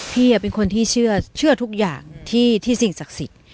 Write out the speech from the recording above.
พี่เป็นคนที่เชื่อทุกอย่างที่สิ่งศักดิ์สิทธิ์